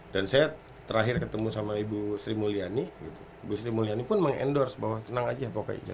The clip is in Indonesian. dan saya terakhir ketemu sama ibu sri mulyani ibu sri mulyani pun meng endorse bahwa tenang aja pokoknya